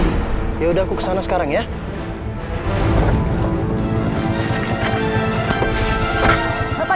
tidak ada apa apa